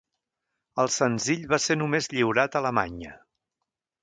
El senzill va ser només lliurat a Alemanya.